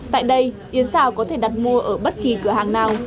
tại đây yến xào có thể đặt mua ở bất kỳ cửa hàng nào